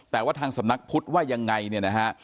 แต่ว่าทางสำนักพุทธว่ายังไงเนี่ยนะฮะ